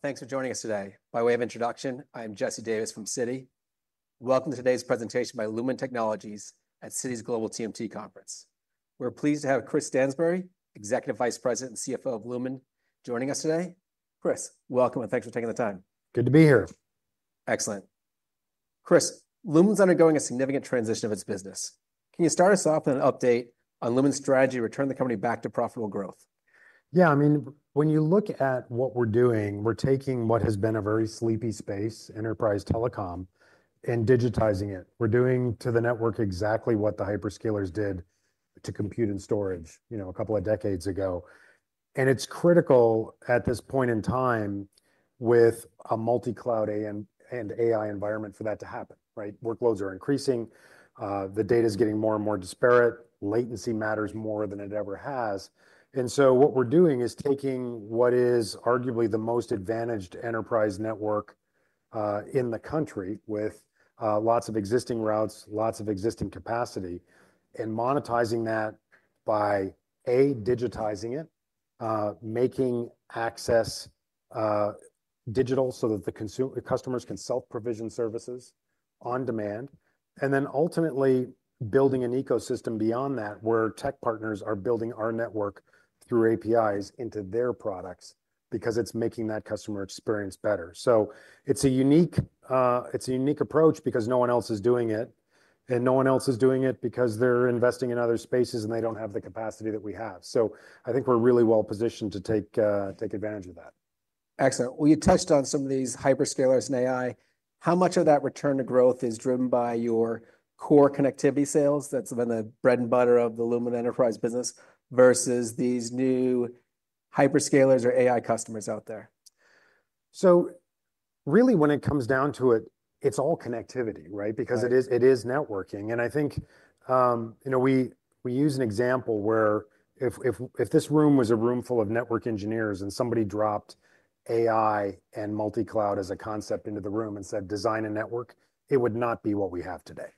Thanks for joining us today. By way of introduction, I'm Jesse Davis from Citi. Welcome to today's presentation by Lumen Technologies at Citi's Global TMT Conference. We're pleased to have Chris Stansbury, Executive Vice President and CFO of Lumen, joining us today. Chris, welcome and thanks for taking the time. Good to be here. Excellent. Chris, Lumen's undergoing a significant transition of its business. Can you start us off with an update on Lumen's strategy to return the company back to profitable growth? Yeah, I mean, when you look at what we're doing, we're taking what has been a very sleepy space, enterprise telecom, and digitizing it. We're doing to the network exactly what the hyperscalers did to compute and storage, you know, a couple of decades ago. And it's critical at this point in time with a multi-cloud and AI environment for that to happen, right? Workloads are increasing, the data is getting more and more disparate, latency matters more than it ever has. And so what we're doing is taking what is arguably the most advantaged enterprise network in the country with lots of existing routes, lots of existing capacity, and monetizing that by, A, digitizing it, making access digital so that the customers can self-provision services on demand, and then ultimately building an ecosystem beyond that where tech partners are building our network through APIs into their products because it's making that customer experience better. So it's a unique approach because no one else is doing it, and no one else is doing it because they're investing in other spaces and they don't have the capacity that we have. So I think we're really well positioned to take advantage of that. Excellent. Well, you touched on some of these hyperscalers and AI. How much of that return to growth is driven by your core connectivity sales? That's been the bread and butter of the Lumen enterprise business versus these new hyperscalers or AI customers out there? So really when it comes down to it, it's all connectivity, right? Because it is networking. And I think, you know, we use an example where if this room was a room full of network engineers and somebody dropped AI and multi-cloud as a concept into the room and said, "Design a network," it would not be what we have today,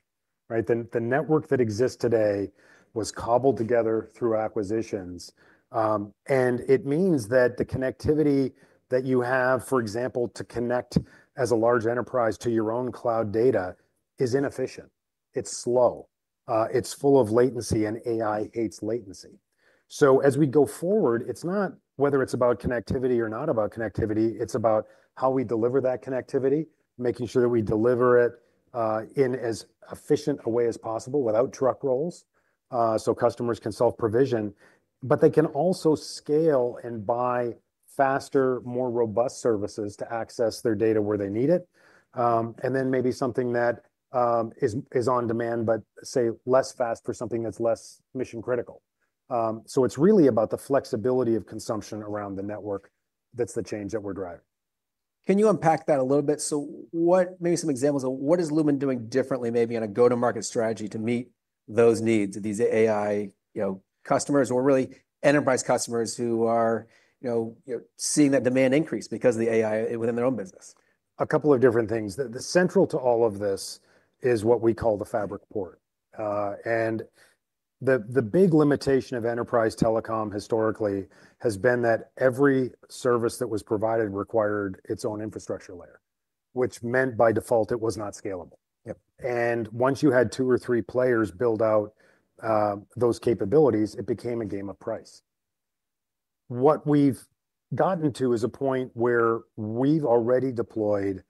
right? The network that exists today was cobbled together through acquisitions. And it means that the connectivity that you have, for example, to connect as a large enterprise to your own cloud data is inefficient. It's slow. It's full of latency and AI hates latency. So as we go forward, it's not whether it's about connectivity or not about connectivity, it's about how we deliver that connectivity, making sure that we deliver it in as efficient a way as possible without truck rolls so customers can self-provision, but they can also scale and buy faster, more robust services to access their data where they need it. And then maybe something that is on demand, but say less fast for something that's less mission critical. So it's really about the flexibility of consumption around the network. That's the change that we're driving. Can you unpack that a little bit? So maybe some examples of what is Lumen doing differently, maybe in a go-to-market strategy to meet those needs of these AI, you know, customers or really enterprise customers who are, you know, seeing that demand increase because of the AI within their own business? A couple of different things. The central to all of this is what we call the fabric port. And the big limitation of enterprise telecom historically has been that every service that was provided required its own infrastructure layer, which meant by default it was not scalable. And once you had two or three players build out those capabilities, it became a game of price. What we've gotten to is a point where we've already deployed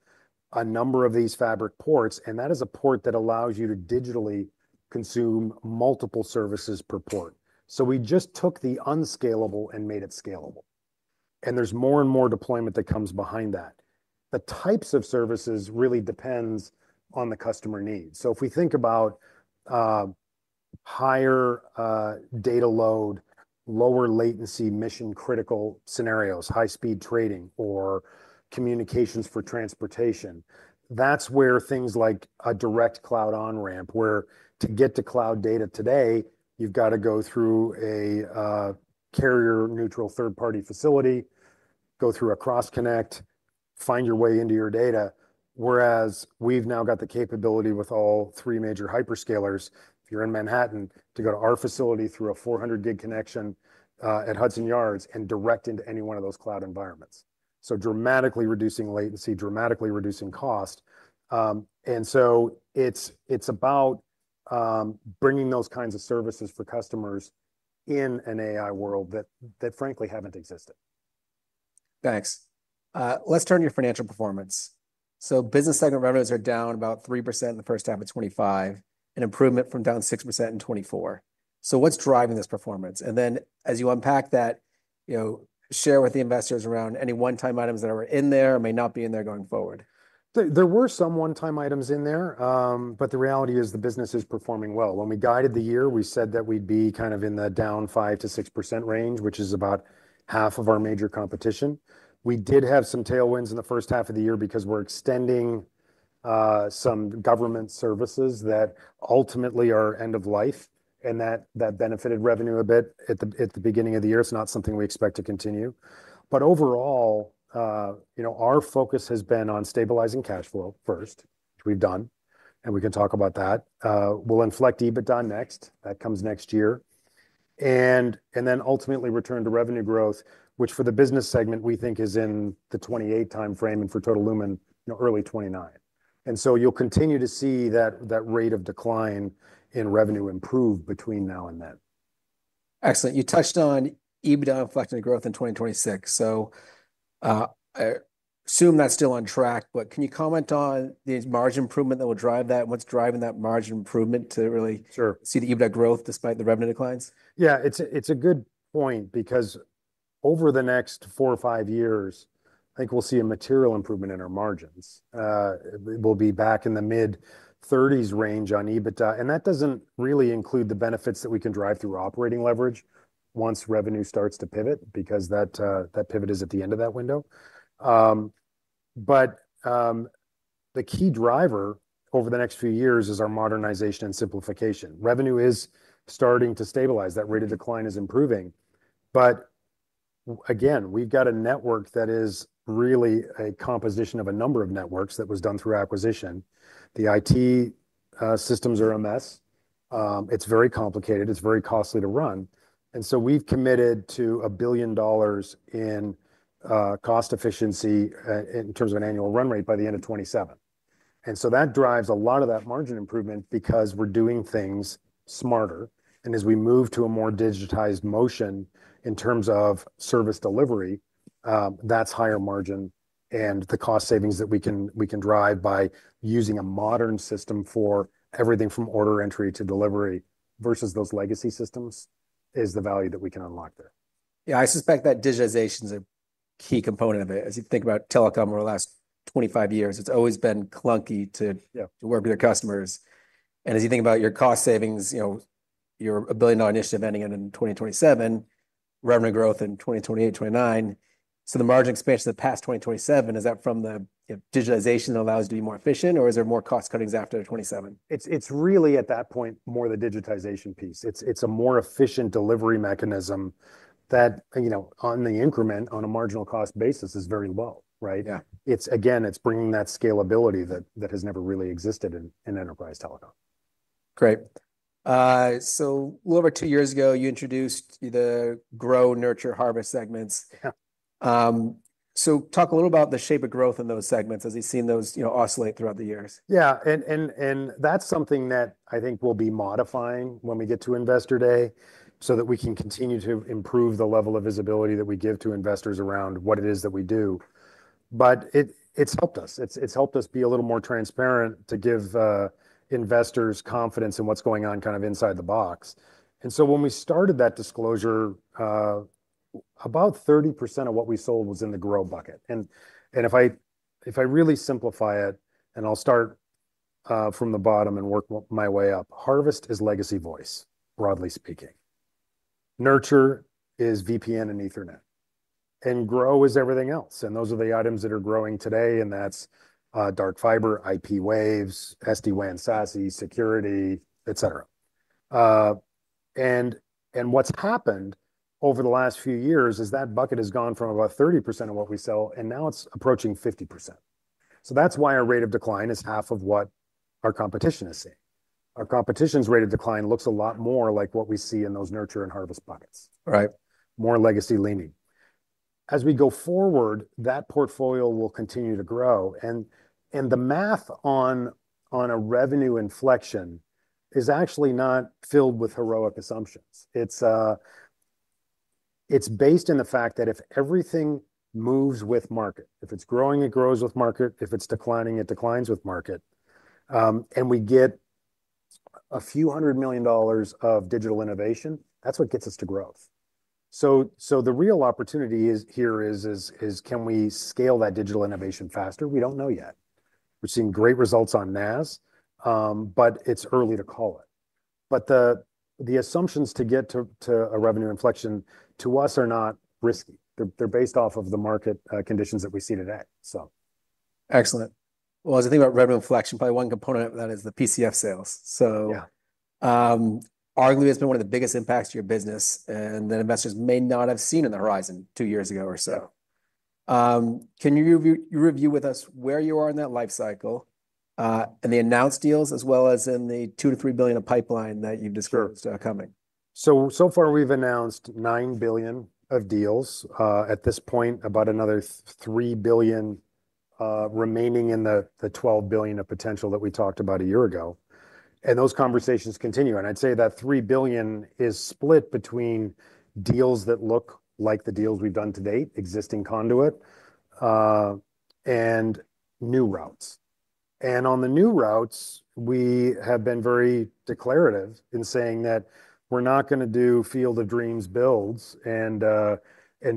a number of these fabric ports, and that is a port that allows you to digitally consume multiple services per port. So we just took the unscalable and made it scalable. And there's more and more deployment that comes behind that. The types of services really depend on the customer needs. So if we think about higher data load, lower latency mission critical scenarios, high-speed trading or communications for transportation, that's where things like a direct cloud on-ramp, where to get to cloud data today, you've got to go through a carrier-neutral third-party facility, go through a cross-connect, find your way into your data. Whereas we've now got the capability with all three major hyperscalers, if you're in Manhattan, to go to our facility through a 400 Gb connection at Hudson Yards and direct into any one of those cloud environments, so dramatically reducing latency, dramatically reducing cost, and so it's about bringing those kinds of services for customers in an AI world that, frankly, haven't existed. Thanks. Let's turn to your financial performance. So business segment revenues are down about 3% in the first half of 2025, an improvement from down 6% in 2024. So what's driving this performance? And then as you unpack that, you know, share with the investors around any one-time items that are in there or may not be in there going forward. There were some one-time items in there, but the reality is the business is performing well. When we guided the year, we said that we'd be kind of in the down 5%-6% range, which is about half of our major competition. We did have some tailwinds in the first half of the year because we're extending some government services that ultimately are end of life and that benefited revenue a bit at the beginning of the year. It's not something we expect to continue. But overall, you know, our focus has been on stabilizing cash flow first, which we've done, and we can talk about that. We'll inflect EBITDA next. That comes next year. And then ultimately return to revenue growth, which for the business segment we think is in the 2028 timeframe and for Total Lumen, you know, early 2029. You'll continue to see that rate of decline in revenue improve between now and then. Excellent. You touched on EBITDA inflecting growth in 2026. So I assume that's still on track, but can you comment on the margin improvement that will drive that? What's driving that margin improvement to really see the EBITDA growth despite the revenue declines? Yeah, it's a good point because over the next four or five years, I think we'll see a material improvement in our margins. We'll be back in the mid-30s range on EBITDA. And that doesn't really include the benefits that we can drive through operating leverage once revenue starts to pivot because that pivot is at the end of that window. But the key driver over the next few years is our modernization and simplification. Revenue is starting to stabilize. That rate of decline is improving. But again, we've got a network that is really a composition of a number of networks that was done through acquisition. The IT systems are a mess. It's very complicated. It's very costly to run. And so we've committed to $1 billion in cost efficiency in terms of an annual run rate by the end of 2027. And so that drives a lot of that margin improvement because we're doing things smarter. And as we move to a more digitized motion in terms of service delivery, that's higher margin and the cost savings that we can drive by using a modern system for everything from order entry to delivery versus those legacy systems is the value that we can unlock there. Yeah, I suspect that digitization is a key component of it. As you think about telecom over the last 25 years, it's always been clunky to work with your customers. And as you think about your cost savings, you know, your $1 billion initiative ending in 2027, revenue growth in 2028, 2029. So the margin expansion post-2027, is that from the digitization that allows you to be more efficient or is there more cost cutting after 2027? It's really at that point more the digitization piece. It's a more efficient delivery mechanism that, you know, on the increment on a marginal cost basis is very low, right? It's, again, it's bringing that scalability that has never really existed in enterprise telecom. Great. So a little over two years ago, you introduced the Grow, Nurture, Harvest segments. So talk a little about the shape of growth in those segments as you've seen those, you know, oscillate throughout the years. Yeah, and that's something that I think we'll be modifying when we get to Investor Day so that we can continue to improve the level of visibility that we give to investors around what it is that we do. But it's helped us. It's helped us be a little more transparent to give investors confidence in what's going on kind of inside the box. And so when we started that disclosure, about 30% of what we sold was in the Grow bucket. And if I really simplify it, and I'll start from the bottom and work my way up, Harvest is legacy voice, broadly speaking. Nurture is VPN and Ethernet. And Grow is everything else. And those are the items that are growing today. And that's Dark Fiber, IP Waves, SD-WAN, SASE, security, et cetera. What's happened over the last few years is that bucket has gone from about 30% of what we sell, and now it's approaching 50%. So that's why our rate of decline is half of what our competition is seeing. Our competition's rate of decline looks a lot more like what we see in those Nurture and Harvest buckets. Right. More legacy leaning. As we go forward, that portfolio will continue to grow. And the math on a revenue inflection is actually not filled with heroic assumptions. It's based in the fact that if everything moves with market, if it's growing, it grows with market. If it's declining, it declines with market. And we get a few hundred million dollars of digital innovation, that's what gets us to growth. So the real opportunity here is, can we scale that digital innovation faster? We don't know yet. We're seeing great results on NaaS, but it's early to call it. But the assumptions to get to a revenue inflection to us are not risky. They're based off of the market conditions that we see today, so. Excellent. As we think about revenue inflection, probably one component of that is the PCF sales. So arguably it's been one of the biggest impacts to your business and that investors may not have seen on the horizon two years ago or so. Can you review with us where you are in that life cycle and the announced deals as well as in the $2 billion-$3 billion of pipeline that you've discussed coming? So far we've announced $9 billion of deals at this point, about another $3 billion remaining in the $12 billion of potential that we talked about a year ago. And those conversations continue. And I'd say that $3 billion is split between deals that look like the deals we've done to date, existing conduit, and new routes. And on the new routes, we have been very declarative in saying that we're not going to do field of dreams builds and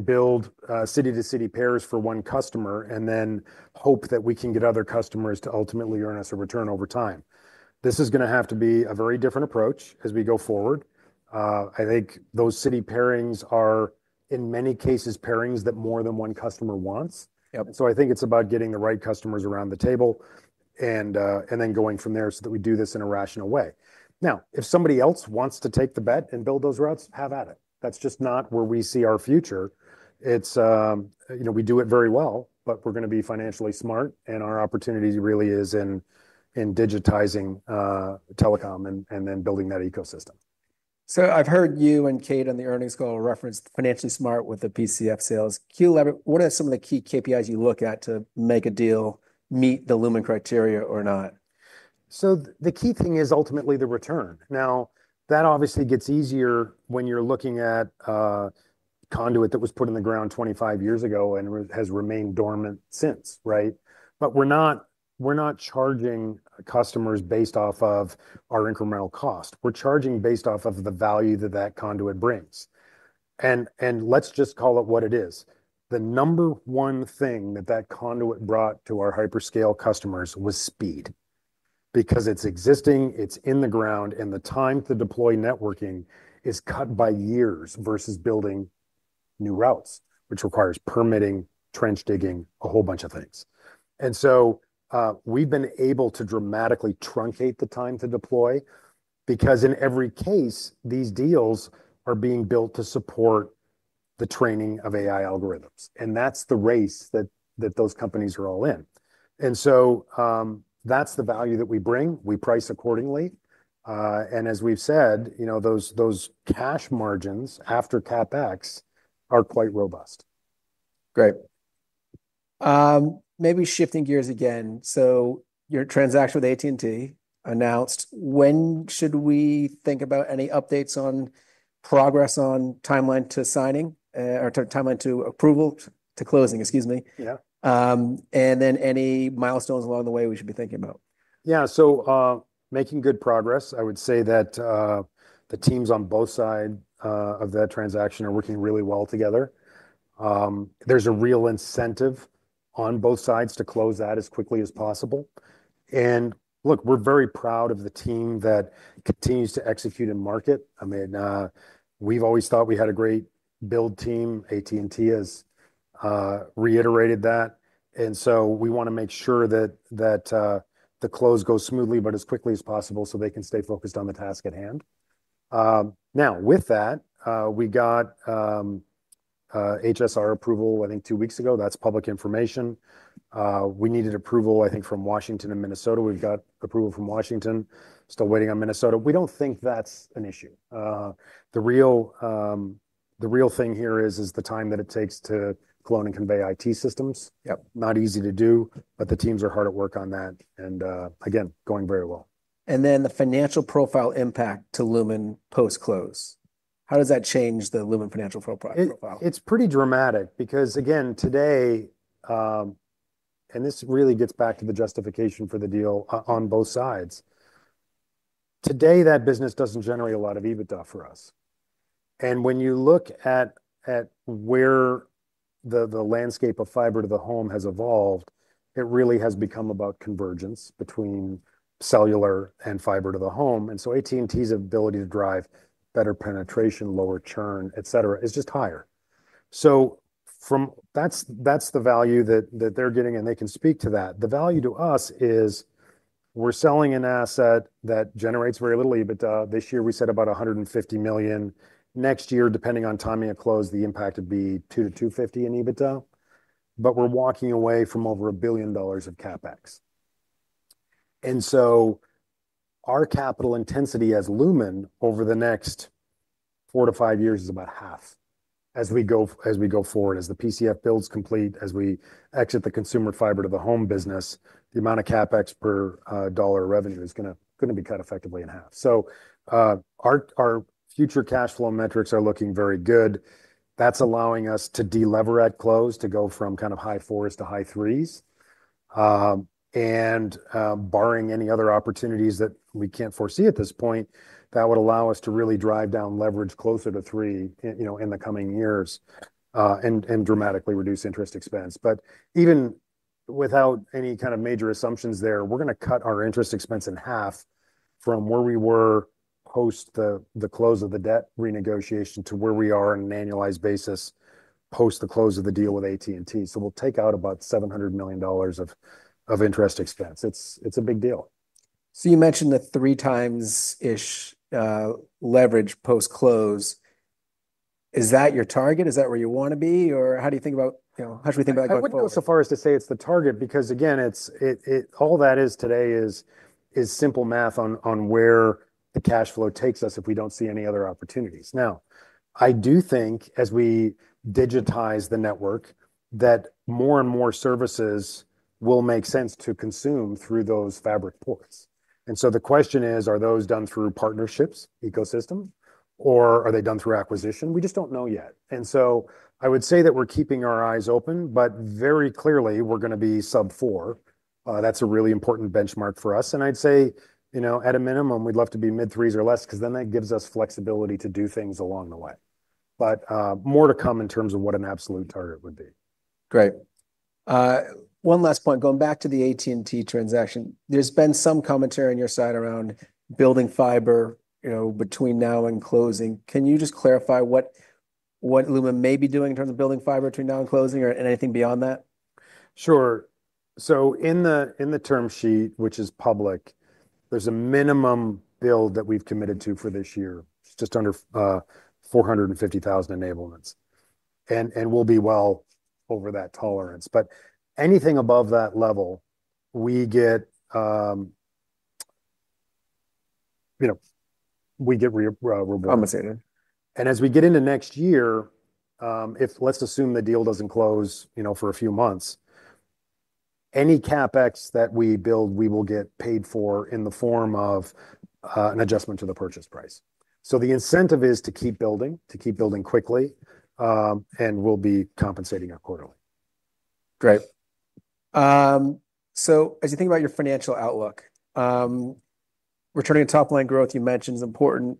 build city-to-city pairs for one customer and then hope that we can get other customers to ultimately earn us a return over time. This is going to have to be a very different approach as we go forward. I think those city pairings are in many cases pairings that more than one customer wants. So I think it's about getting the right customers around the table and then going from there so that we do this in a rational way. Now, if somebody else wants to take the bet and build those routes, have at it. That's just not where we see our future. It's, you know, we do it very well, but we're going to be financially smart and our opportunity really is in digitizing telecom and then building that ecosystem. So I've heard you and Kate on the earnings call reference financially smart with the PCF sales. What are some of the key KPIs you look at to make a deal meet the Lumen criteria or not? The key thing is ultimately the return. Now, that obviously gets easier when you're looking at conduit that was put in the ground 25 years ago and has remained dormant since, right? But we're not charging customers based off of our incremental cost. We're charging based off of the value that that conduit brings. And let's just call it what it is. The number one thing that that conduit brought to our hyperscale customers was speed because it's existing, it's in the ground, and the time to deploy networking is cut by years versus building new routes, which requires permitting, trench digging, a whole bunch of things. And so we've been able to dramatically truncate the time to deploy because in every case, these deals are being built to support the training of AI algorithms. And that's the race that those companies are all in. And so that's the value that we bring. We price accordingly. And as we've said, you know, those cash margins after CapEx are quite robust. Great. Maybe shifting gears again. So your transaction with AT&T announced. When should we think about any updates on progress on timeline to signing or timeline to approval to closing, excuse me? Yeah. Then any milestones along the way we should be thinking about? Yeah. So, making good progress. I would say that the teams on both sides of that transaction are working really well together. There's a real incentive on both sides to close that as quickly as possible. And look, we're very proud of the team that continues to execute and market. I mean, we've always thought we had a great build team. AT&T has reiterated that. And so we want to make sure that the close goes smoothly, but as quickly as possible so they can stay focused on the task at hand. Now, with that, we got HSR approval, I think, two weeks ago. That's public information. We needed approval, I think, from Washington and Minnesota. We've got approval from Washington. Still waiting on Minnesota. We don't think that's an issue. The real thing here is the time that it takes to clone and convey IT systems. Not easy to do, but the teams are hard at work on that, and again, going very well. And then the financial profile impact to Lumen post-close. How does that change the Lumen financial profile? It's pretty dramatic because, again, today, and this really gets back to the justification for the deal on both sides. Today, that business doesn't generate a lot of EBITDA for us. And when you look at where the landscape of fiber to the home has evolved, it really has become about convergence between cellular and fiber to the home. And so AT&T's ability to drive better penetration, lower churn, et cetera, is just higher. So that's the value that they're getting, and they can speak to that. The value to us is we're selling an asset that generates very little EBITDA. This year we said about $150 million. Next year, depending on timing of close, the impact would be $200 million-$250 million in EBITDA. But we're walking away from over $1 billion of CapEx. So our capital intensity as Lumen over the next four to five years is about half as we go forward. As the PCF builds complete, as we exit the consumer fiber to the home business, the amount of CapEx per dollar revenue is going to be cut effectively in half. So our future cash flow metrics are looking very good. That's allowing us to deleverage at close, to go from kind of high fours to high threes. And barring any other opportunities that we can't foresee at this point, that would allow us to really drive down leverage closer to three, you know, in the coming years and dramatically reduce interest expense. But even without any kind of major assumptions there, we're going to cut our interest expense in half from where we were post the close of the debt renegotiation to where we are on an annualized basis post the close of the deal with AT&T. So we'll take out about $700 million of interest expense. It's a big deal. So you mentioned the three times-ish leverage post-close. Is that your target? Is that where you want to be? Or how do you think about, you know, how should we think about going forward? I wouldn't go so far as to say it's the target because, again, all that is today is simple math on where the cash flow takes us if we don't see any other opportunities. Now, I do think as we digitize the network that more and more services will make sense to consume through those fabric ports. And so the question is, are those done through partnerships, ecosystems, or are they done through acquisition? We just don't know yet. And so I would say that we're keeping our eyes open, but very clearly we're going to be sub four. That's a really important benchmark for us. And I'd say, you know, at a minimum, we'd love to be mid-threes or less because then that gives us flexibility to do things along the way. But more to come in terms of what an absolute target would be. Great. One last point. Going back to the AT&T transaction, there's been some commentary on your side around building fiber, you know, between now and closing. Can you just clarify what Lumen may be doing in terms of building fiber between now and closing or anything beyond that? Sure. So in the term sheet, which is public, there's a minimum build that we've committed to for this year, just under 450,000 enablements. And we'll be well over that tolerance. But anything above that level, we get, you know, we get rewarded. Compensated. As we get into next year, if let's assume the deal doesn't close, you know, for a few months, any CapEx that we build, we will get paid for in the form of an adjustment to the purchase price. The incentive is to keep building, to keep building quickly, and we'll be compensating out quarterly. Great. So as you think about your financial outlook, returning to top-line growth you mentioned is important,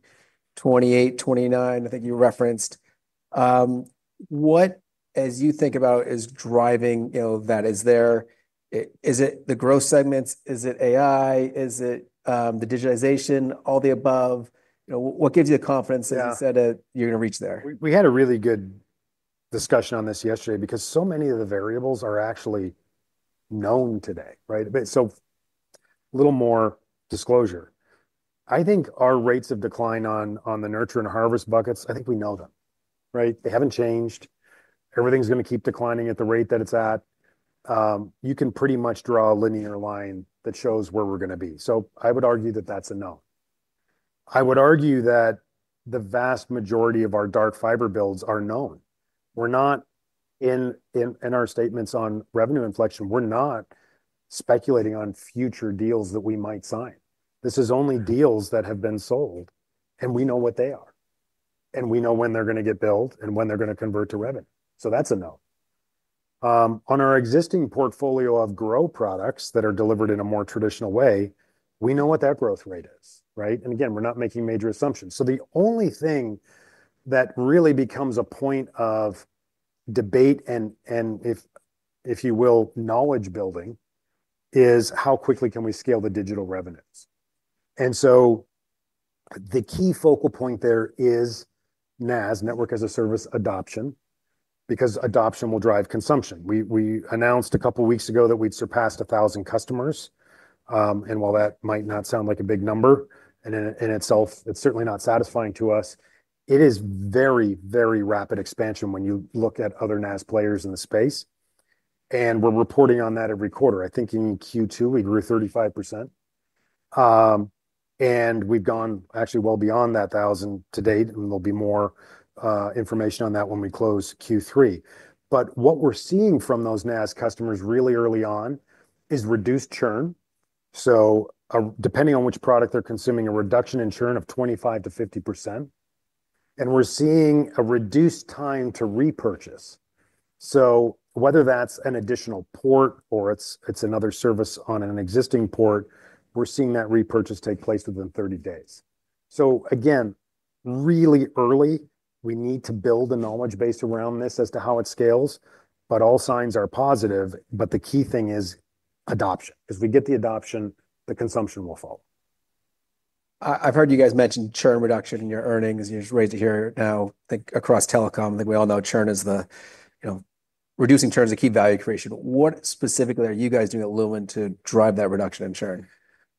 2028, 2029, I think you referenced. What, as you think about, is driving, you know, that? Is there the growth segments? Is it AI? Is it the digitization, all the above? You know, what gives you the confidence that you said that you're going to reach there? We had a really good discussion on this yesterday because so many of the variables are actually known today, right? So a little more disclosure. I think our rates of decline on the nurture and harvest buckets, I think we know them, right? They haven't changed. Everything's going to keep declining at the rate that it's at. You can pretty much draw a linear line that shows where we're going to be. So I would argue that that's a no. I would argue that the vast majority of our dark fiber builds are known. We're not in our statements on revenue inflection, we're not speculating on future deals that we might sign. This is only deals that have been sold, and we know what they are. And we know when they're going to get billed and when they're going to convert to revenue. So that's a no. On our existing portfolio of grow products that are delivered in a more traditional way, we know what that growth rate is, right? And again, we're not making major assumptions. So the only thing that really becomes a point of debate and, if you will, knowledge building is how quickly can we scale the digital revenues. And so the key focal point there is NaaS, Network as a Service adoption, because adoption will drive consumption. We announced a couple of weeks ago that we'd surpassed 1,000 customers. And while that might not sound like a big number in itself, it's certainly not satisfying to us. It is very, very rapid expansion when you look at other NaaS players in the space. And we're reporting on that every quarter. I think in Q2, we grew 35%. And we've gone actually well beyond that 1,000 to date. There'll be more information on that when we close Q3. But what we're seeing from those NaaS customers really early on is reduced churn. So depending on which product they're consuming, a reduction in churn of 25%-50%. And we're seeing a reduced time to repurchase. So whether that's an additional port or it's another service on an existing port, we're seeing that repurchase take place within 30 days. So again, really early, we need to build a knowledge base around this as to how it scales. But all signs are positive. But the key thing is adoption. As we get the adoption, the consumption will follow. I've heard you guys mention churn reduction in your earnings. You just raised it here now, I think across telecom. I think we all know churn is the, you know, reducing churn is a key value creation. What specifically are you guys doing at Lumen to drive that reduction in churn?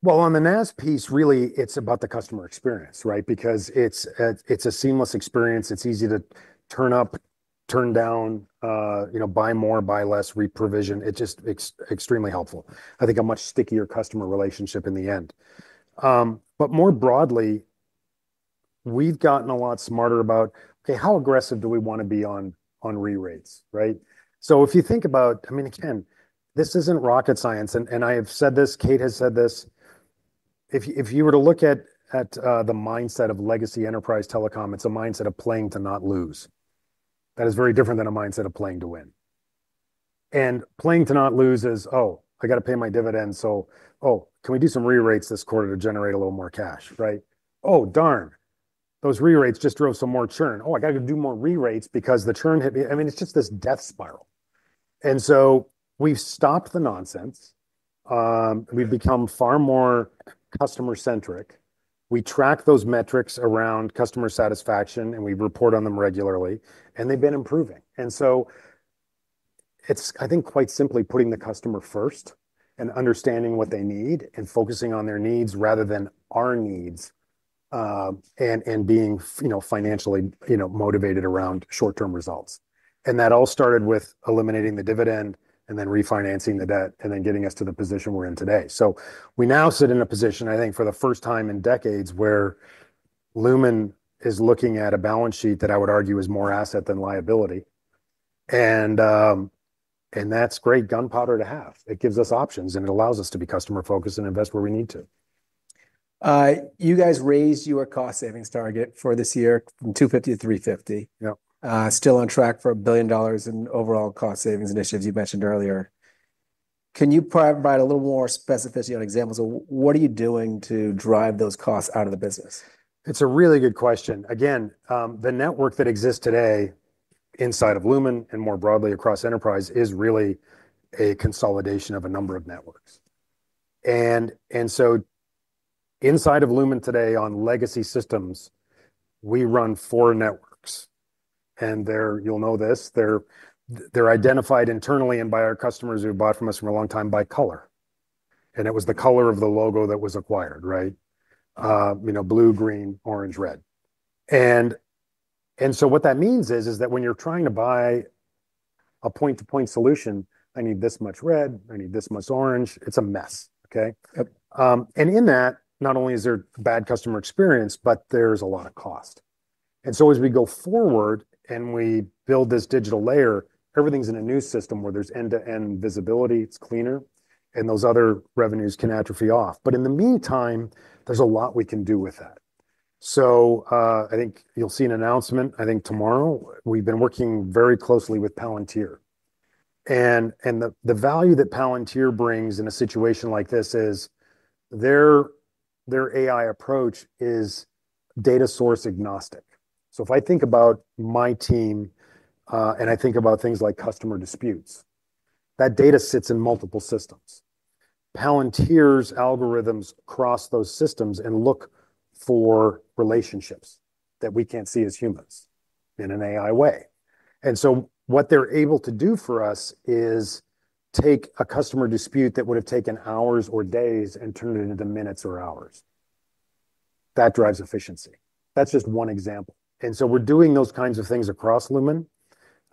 On the NaaS piece, really, it's about the customer experience, right? Because it's a seamless experience. It's easy to turn up, turn down, you know, buy more, buy less, reprovision. It's just extremely helpful. I think a much stickier customer relationship in the end. But more broadly, we've gotten a lot smarter about, okay, how aggressive do we want to be on re-rates, right? So if you think about, I mean, again, this isn't rocket science. I have said this, Kate has said this. If you were to look at the mindset of legacy enterprise telecom, it's a mindset of playing to not lose. That is very different than a mindset of playing to win. Playing to not lose is, oh, I got to pay my dividends, so oh, can we do some re-rates this quarter to generate a little more cash, right? Oh, darn, those re-rates just drove some more churn. Oh, I got to do more re-rates because the churn hit me. I mean, it's just this death spiral, and so we've stopped the nonsense. We've become far more customer-centric. We track those metrics around customer satisfaction, and we report on them regularly, and they've been improving, and so it's, I think, quite simply putting the customer first and understanding what they need and focusing on their needs rather than our needs and being, you know, financially, you know, motivated around short-term results, and that all started with eliminating the dividend and then refinancing the debt and then getting us to the position we're in today, so we now sit in a position, I think, for the first time in decades where Lumen is looking at a balance sheet that I would argue is more asset than liability. That's great gunpowder to have. It gives us options, and it allows us to be customer-focused and invest where we need to. You guys raised your cost savings target for this year from $250 million to $350 million. Still on track for $1 billion in overall cost savings initiatives you mentioned earlier. Can you provide a little more specificity on examples of what are you doing to drive those costs out of the business? It's a really good question. Again, the network that exists today inside of Lumen and more broadly across enterprise is really a consolidation of a number of networks. And so inside of Lumen today on legacy systems, we run four networks. And you'll know this. They're identified internally and by our customers who bought from us from a long time by color. And it was the color of the logo that was acquired, right? You know, blue, green, orange, red. And so what that means is that when you're trying to buy a point-to-point solution, I need this much red, I need this much orange. It's a mess, okay? And in that, not only is there bad customer experience, but there's a lot of cost. And so as we go forward and we build this digital layer, everything's in a new system where there's end-to-end visibility. It's cleaner. And those other revenues can atrophy off. But in the meantime, there's a lot we can do with that. So I think you'll see an announcement, I think tomorrow. We've been working very closely with Palantir. And the value that Palantir brings in a situation like this is their AI approach is data source agnostic. So if I think about my team and I think about things like customer disputes, that data sits in multiple systems. Palantir's algorithms cross those systems and look for relationships that we can't see as humans in an AI way. And so what they're able to do for us is take a customer dispute that would have taken hours or days and turn it into minutes or hours. That drives efficiency. That's just one example. And so we're doing those kinds of things across Lumen.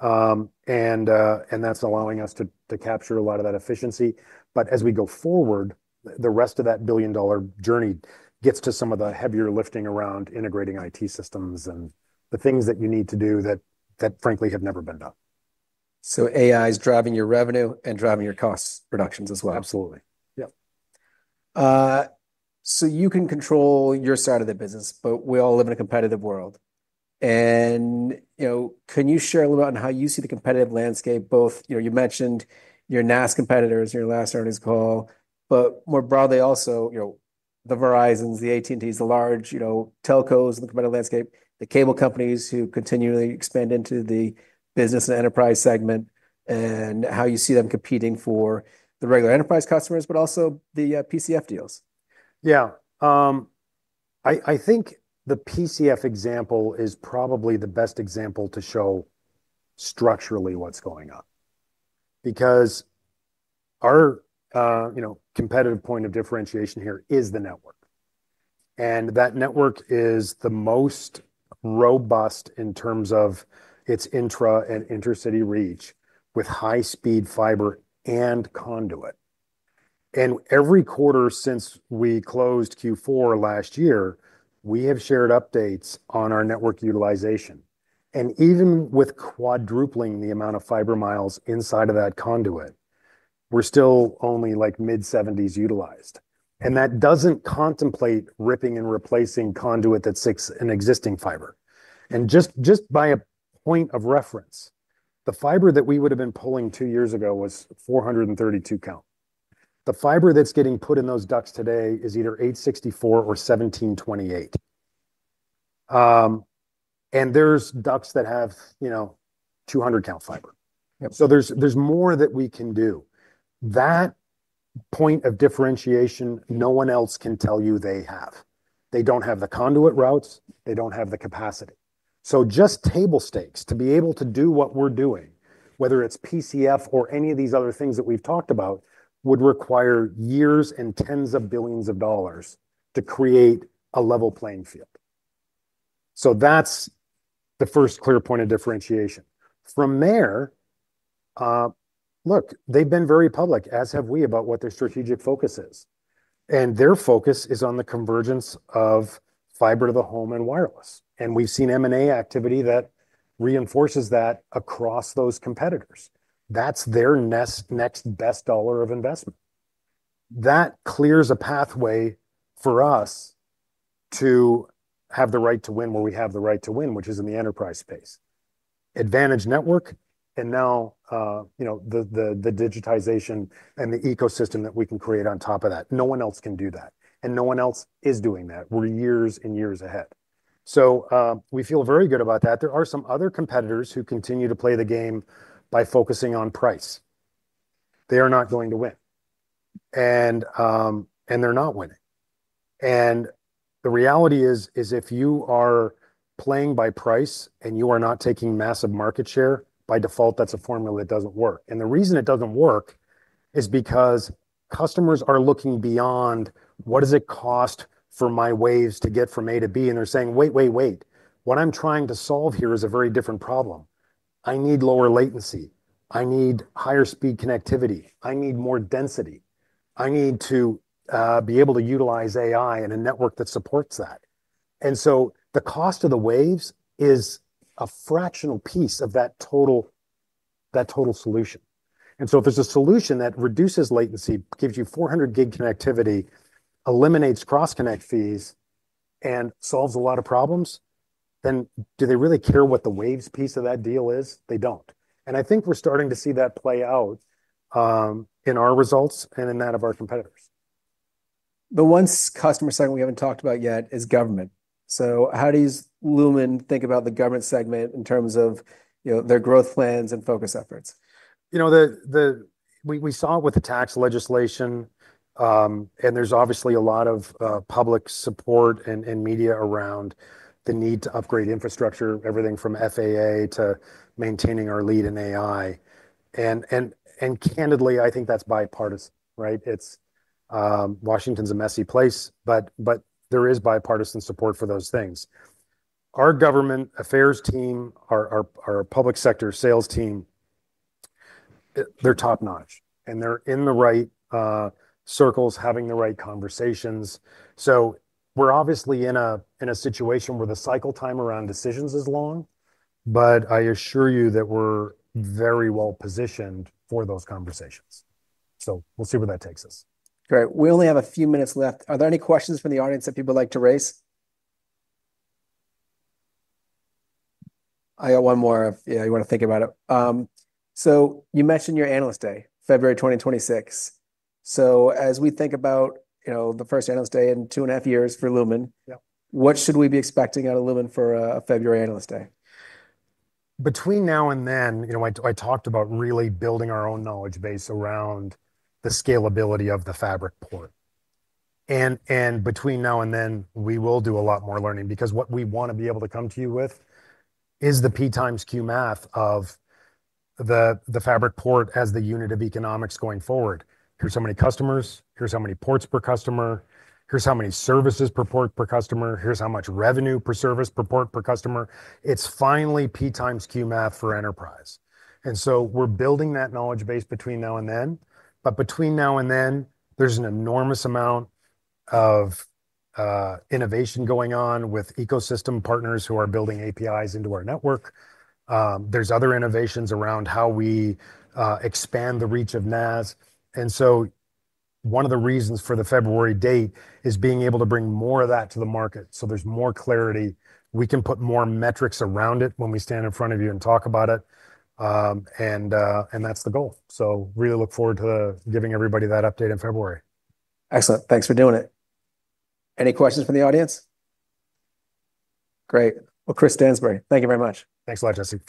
And that's allowing us to capture a lot of that efficiency. But as we go forward, the rest of that billion-dollar journey gets to some of the heavier lifting around integrating IT systems and the things that you need to do that, frankly, have never been done. AI is driving your revenue and driving your cost reductions as well. Absolutely. Yep. So you can control your side of the business, but we all live in a competitive world. And, you know, can you share a little bit on how you see the competitive landscape? Both, you know, you mentioned your NaaS competitors in your last earnings call, but more broadly also, you know, the Verizons, the AT&Ts, the large, you know, telcos in the competitive landscape, the cable companies who continually expand into the business and enterprise segment, and how you see them competing for the regular enterprise customers, but also the PCF deals. Yeah. I think the PCF example is probably the best example to show structurally what's going on. Because our, you know, competitive point of differentiation here is the network. And that network is the most robust in terms of its intra and intercity reach with high-speed fiber and conduit. And every quarter since we closed Q4 last year, we have shared updates on our network utilization. And even with quadrupling the amount of fiber miles inside of that conduit, we're still only like mid-70s utilized. And that doesn't contemplate ripping and replacing conduit that's an existing fiber. And just by a point of reference, the fiber that we would have been pulling two years ago was 432 count. The fiber that's getting put in those ducts today is either 864 or 1728. And there's ducts that have, you know, 200 count fiber. So there's more that we can do. That point of differentiation, no one else can tell you they have. They don't have the conduit routes. They don't have the capacity. So just table stakes to be able to do what we're doing, whether it's PCF or any of these other things that we've talked about, would require years and tens of billions of dollars to create a level playing field. So that's the first clear point of differentiation. From there, look, they've been very public, as have we, about what their strategic focus is. And their focus is on the convergence of fiber to the home and wireless. And we've seen M&A activity that reinforces that across those competitors. That's their next best dollar of investment. That clears a pathway for us to have the right to win where we have the right to win, which is in the enterprise space. Advantage network and now, you know, the digitization and the ecosystem that we can create on top of that. No one else can do that, and no one else is doing that. We're years and years ahead, so we feel very good about that. There are some other competitors who continue to play the game by focusing on price. They are not going to win, and they're not winning, and the reality is, if you are playing by price and you are not taking massive market share, by default, that's a formula that doesn't work, and the reason it doesn't work is because customers are looking beyond what does it cost for my waves to get from A to B, and they're saying, "wait, wait, wait. What I'm trying to solve here is a very different problem. I need lower latency. I need higher speed connectivity. I need more density. I need to be able to utilize AI and a network that supports that, and so the cost of the waves is a fractional piece of that total solution, and so if there's a solution that reduces latency, gives you 400 Gb connectivity, eliminates cross-connect fees, and solves a lot of problems, then do they really care what the waves piece of that deal is? They don't, and I think we're starting to see that play out in our results and in that of our competitors. The one customer segment we haven't talked about yet is government. So how does Lumen think about the government segment in terms of, you know, their growth plans and focus efforts? You know, we saw it with the tax legislation. And there's obviously a lot of public support and media around the need to upgrade infrastructure, everything from FAA to maintaining our lead in AI. And candidly, I think that's bipartisan, right? Washington's a messy place, but there is bipartisan support for those things. Our government affairs team, our public sector sales team, they're top-notch. And they're in the right circles, having the right conversations. So we're obviously in a situation where the cycle time around decisions is long, but I assure you that we're very well positioned for those conversations. So we'll see where that takes us. Great. We only have a few minutes left. Are there any questions from the audience that people would like to raise? I got one more. Yeah, you want to think about it. So you mentioned your Analyst Day, February 2026. So as we think about, you know, the first Analyst Day in two and a half years for Lumen, what should we be expecting out of Lumen for a February Analyst Day? Between now and then, you know, I talked about really building our own knowledge base around the scalability of the fabric port, and between now and then, we will do a lot more learning because what we want to be able to come to you with is the P times Q math of the fabric port as the unit of economics going forward. Here's how many customers. Here's how many ports per customer. Here's how many services per port per customer. Here's how much revenue per service per port per customer. It's finally P times Q math for enterprise, and so we're building that knowledge base between now and then, but between now and then, there's an enormous amount of innovation going on with ecosystem partners who are building APIs into our network. There's other innovations around how we expand the reach of NaaS. And so one of the reasons for the February date is being able to bring more of that to the market. So there's more clarity. We can put more metrics around it when we stand in front of you and talk about it. And that's the goal. So really look forward to giving everybody that update in February. Excellent. Thanks for doing it. Any questions from the audience? Great. Well, Chris Stansbury, thank you very much. Thanks a lot, Jesse.